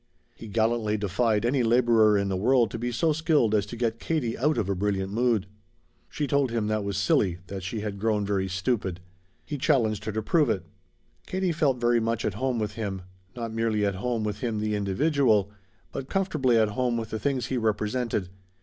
He gallantly defied any laborer in the world to be so skilled as to get Katie out of a brilliant mood. She told him that was silly, that she had grown very stupid. He challenged her to prove it. Katie felt very much at home with him; not merely at home with him the individual, but comfortably at home with the things he represented.